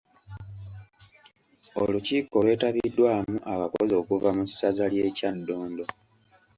Olukiiko lwetabiddwamu abakozi okuva mu ssaza ly’e Kyaddondo.